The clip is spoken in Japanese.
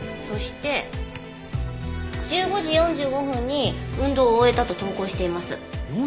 そして１５時４５分に運動を終えたと投稿しています。